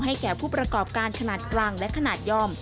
แก่ผู้ประกอบการขนาดกลางและขนาดย่อม